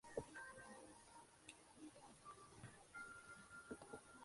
Martínez López es especialista en temas vinculados con la Memoria Histórica.